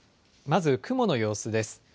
まず雲の様子です。